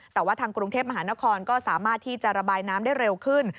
แต่ว่าทางกรุงเทพมหานครก็สามารถที่จะระบายน้ำได้เร็วขึ้น